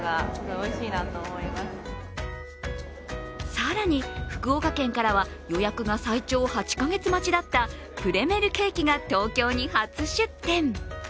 更に、福岡県からは予約が最長８か月待ちだったプレメルケーキが東京に初出店。